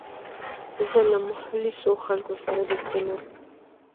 زه له مخلصو خلکو سره دوستي لرم.